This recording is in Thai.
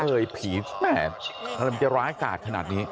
เอ้ยผีแม่มันจะร้ายกาศขนาดนี้